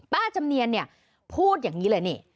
จำเนียนเนี่ยพูดอย่างนี้เลยนี่